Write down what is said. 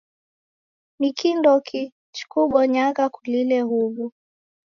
Ni kindoki chikubonyagha kulile huwu?